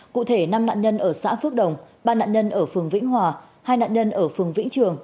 cụ thể năm nạn nhân ở xã phước đồng ba nạn nhân ở phường vĩnh hòa hai nạn nhân ở phường vĩnh trường